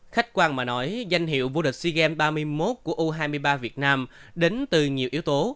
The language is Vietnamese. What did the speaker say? khách quan mà nói danh hiệu vô địch sea games ba mươi một của u hai mươi ba việt nam đến từ nhiều yếu tố